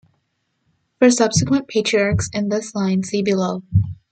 For subsequent patriarchs in this line, see below.